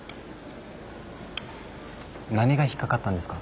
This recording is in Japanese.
何が引っ掛かったんですか？